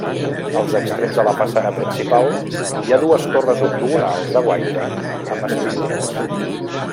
Als extrems de la façana principal hi ha dues torres octogonals de guaita amb espitlleres.